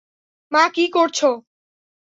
মা, কী করছো?